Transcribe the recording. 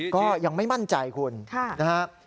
ก็ยังไม่มั่นใจคุณนะครับ